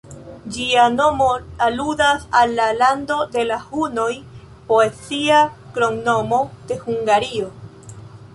Ĝia nomo aludas al la ""Lando de la Hunoj"", poezia kromnomo de Hungario.